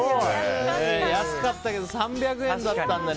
安かったけど３００円だったんでね。